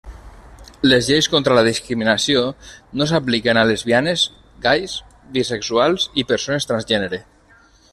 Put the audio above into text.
Les lleis contra la discriminació no s'apliquen a lesbianes, gais, bisexuals i persones transgènere.